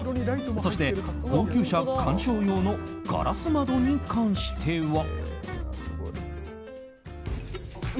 そして、高級車観賞用のガラス窓に関しては。